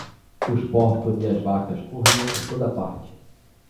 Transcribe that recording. Os porcos e as vacas corriam por toda parte.